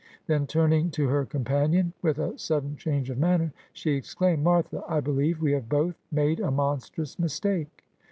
Then, turning to her companion with a sudden change of manner, she ex claimed :' Martha, I believe we have both made a monstrous mistake.'